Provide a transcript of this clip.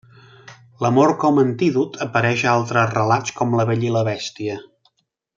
L'amor com a antídot apareix a altres relats com La bella i la bèstia.